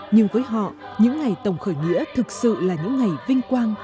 nhưng với họ những ngày tổng khởi nghĩa thực sự là những ngày vinh quang